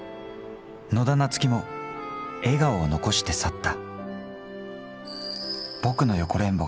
野田菜月も笑顔を残して去った。